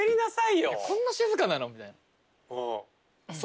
こんな静かなの？みたいな。